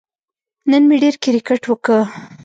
نن مې ډېر کیرکټ وکه